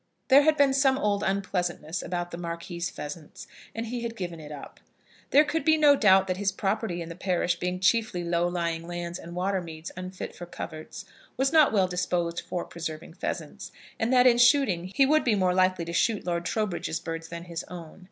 There had been some old unpleasantness about the Marquis's pheasants, and he had given it up. There could be no doubt that his property in the parish being chiefly low lying lands and water meads unfit for coverts, was not well disposed for preserving pheasants, and that in shooting he would more likely shoot Lord Trowbridge's birds than his own.